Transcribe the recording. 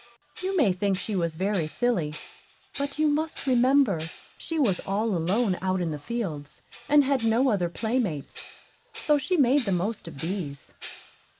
You may think she was very silly; but you must remember she was all alone out in the fields, and had no other playmates; so she made the most of these.